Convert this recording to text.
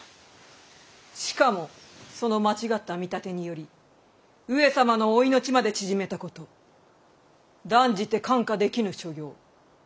しかもその間違った見立てにより上様のお命まで縮めたこと断じて看過できぬ所業。